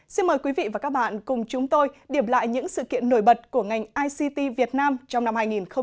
xin mời quý vị và các bạn cùng chúng tôi điểm lại những sự kiện nổi bật của ngành ict việt nam trong năm hai nghìn hai mươi